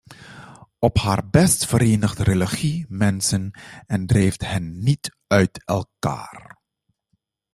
Op haar best verenigt religie mensen en drijft hen niet uit elkaar.